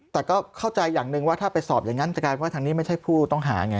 แต่ก็เข้าใจอย่างหนึ่งว่าถ้าไปสอบอย่างนั้นจะกลายว่าทางนี้ไม่ใช่ผู้ต้องหาไง